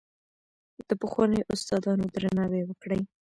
د پخوانیو استادانو درناوی وکړئ.